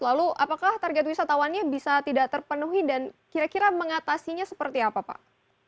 lalu apakah target wisatawannya bisa tidak terpenuhi dan kira kira mengatasinya seperti apa pak